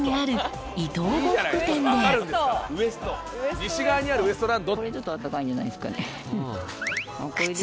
西側にあるウエストランド！